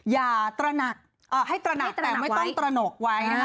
อย่าตระหนักให้ตระหนักแต่ไม่ต้องตระหนกไว้นะคะ